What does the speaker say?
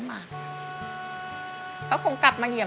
อันดับนี้เป็นแบบนี้